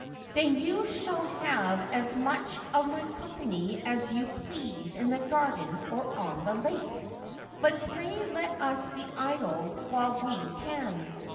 ' Then you shall have as much of my company as you please in the garden or on the lake. But pray let us be idle while we can.